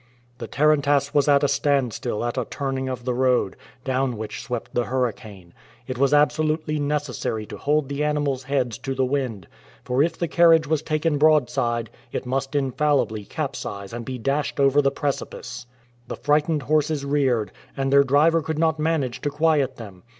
The tarantass was at a standstill at a turning of the road, down which swept the hurricane; it was absolutely necessary to hold the animals' heads to the wind, for if the carriage was taken broadside it must infallibly capsize and be dashed over the precipice. The frightened horses reared, and their driver could not manage to quiet them.